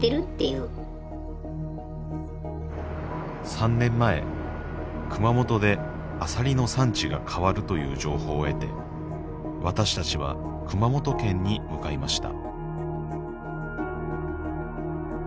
３年前「熊本でアサリの産地が変わる」という情報を得て私たちは熊本県に向かいました